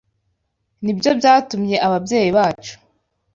ni byo byatumye ababyeyi bacu